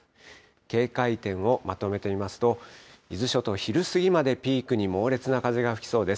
警戒点をまとめてみますと、伊豆諸島、昼過ぎまでピークに猛烈な風が吹きそうです。